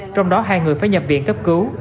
trong đó hai người phải nhập viện cấp cứu